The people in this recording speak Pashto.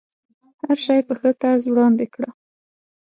هر شی په ښه طرز وړاندې کړه.